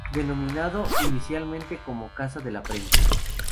Denominado inicialmente como Casa de la Prensa.